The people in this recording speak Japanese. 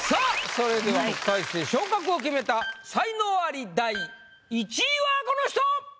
それでは特待生昇格を決めた才能アリ第１位はこの人！